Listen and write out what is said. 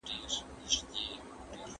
کډوال بیرته خپل هیواد ته ستنیدل.